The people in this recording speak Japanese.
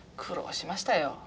苦労しましたよ。